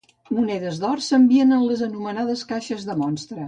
Monedes d'or s'envien en les anomenades caixes de monstre.